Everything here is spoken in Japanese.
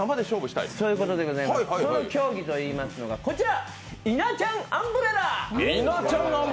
その競技といいますのが稲ちゃんアンブレラ！